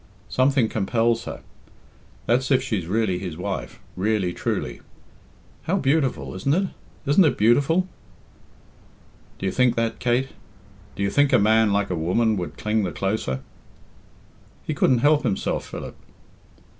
Something compels her. That's if she's really his wife really, truly. How beautiful, isn't it? Isn't it beautiful?" "Do you think that, Kate? Do you think a man, like a woman, would cling the closer?" "He couldn't help himself, Philip."